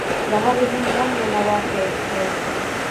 د هغې نوم هم "ننواتې" دے.